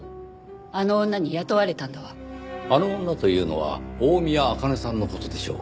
あの女というのは大宮アカネさんの事でしょうか？